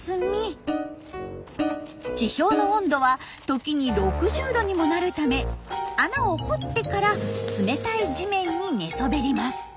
地表の温度は時に６０℃にもなるため穴を掘ってから冷たい地面に寝そべります。